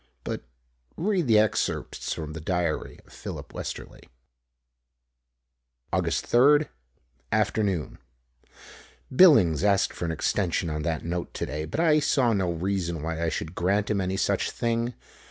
But read the excerpts from the diary of Philip Westerly. Aug. 3rd. Afternoon: Billings asked for an extension on that note today, but I saw no reason why I should grant him any such thing.